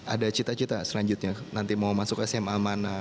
ada cita cita selanjutnya nanti mau masuk sma mana